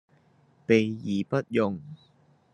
備而不用